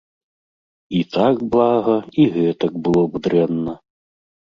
І так блага, і гэтак было б дрэнна.